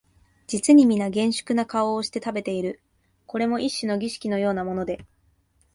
実にみな厳粛な顔をして食べている、これも一種の儀式のようなもので、